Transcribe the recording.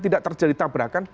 tidak terjadi tabrakan